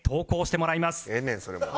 ええねんそれもう。